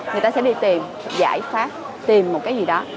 người ta sẽ đi tìm giải pháp tìm một cái gì đó